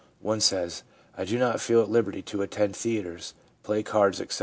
One says :' I do not feel at liberty to attend theatres, play cards, etc.